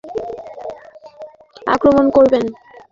November মাসের দিকে আমরা যতই এগোব, ততই রিপাবলিকানরা ওবামাকে আক্রমণ করবেন।